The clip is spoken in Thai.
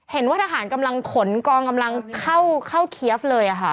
เห็นว่าทหารกำลังขนกองกำลังเข้าเคียฟเลยค่ะ